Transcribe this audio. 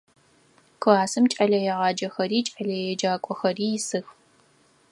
Классым кӏэлэегъаджэхэри кӏэлэеджакӏохэри исых.